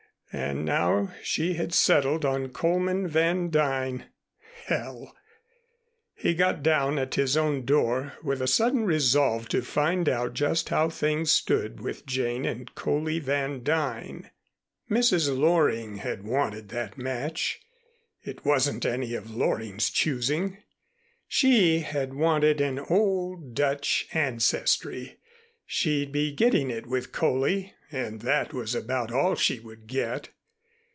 And now she had settled on Coleman Van Duyn! Hell! He got down at his own door with a sudden resolve to find out just how things stood with Jane and Coley Van Duyn. Mrs. Loring had wanted that match. It wasn't any of Loring's choosing. She had wanted an old Dutch ancestry. She'd be getting it with Coley and that was about all she would get.